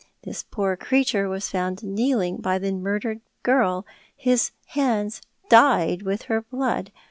This poor creature was found kneeling by the murdered girl, his hands dyed with her blood.